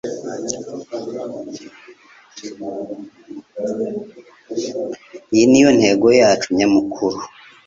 Iyi niyo ntego yacu nyamukuru.